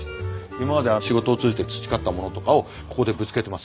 今まで仕事を通じて培ったものとかをここでぶつけてます。